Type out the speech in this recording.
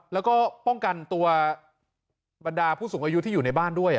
แล้วก็ป้องกันตัวบรรดาผู้สูงอายุที่อยู่ในบ้านด้วย